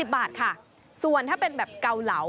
บาทค่ะส่วนถ้าเป็นแบบเกาเหลา